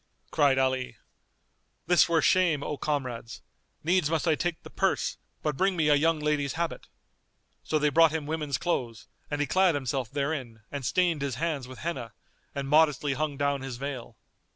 Cried Ali, "This were shame, O comrades; needs must I take the purse: but bring me a young lady's habit." So they brought him women's clothes and he clad himself therein and stained his hands with Henna, and modestly hung down his veil.